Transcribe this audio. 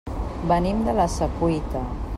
Venim de la Secuita.